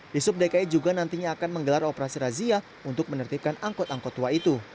dishub dki juga nantinya akan menggelar operasi razia untuk menetipkan angkot angkot tua itu